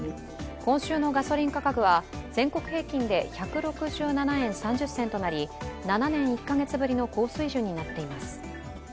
今週のガソリン価格は全国平均で１６７円３０銭となり７年１カ月ぶりの高水準になっています。